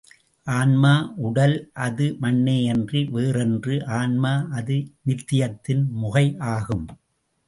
ஆன்மா உடல் அது மண்ணேயன்றி வேறன்று ஆன்மா அது நித்தியத்தின் முகை ஆகும்.